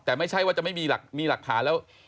แต่ไม่ใช่ว่าจะไม่มีหลักฐานแล้ว